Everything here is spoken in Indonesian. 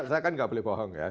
saya kan nggak boleh bohong ya